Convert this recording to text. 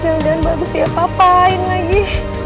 jangan jangan bagus dia apa apain lagi